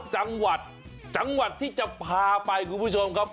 จังหวัดจังหวัดที่จะพาไปคุณผู้ชมครับ